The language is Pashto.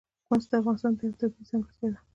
مس د افغانستان یوه طبیعي ځانګړتیا ده.